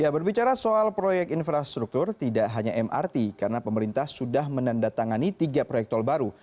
berbicara soal proyek infrastruktur tidak hanya mrt karena pemerintah sudah menandatangani tiga proyek tol baru